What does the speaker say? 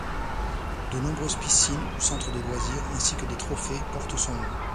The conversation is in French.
De nombreuses piscines ou centres de loisirs, ainsi que des trophées, portent son nom.